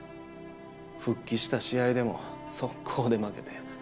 復帰した試合でもそっこうで負けて。